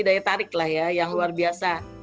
daya tarik lah ya yang luar biasa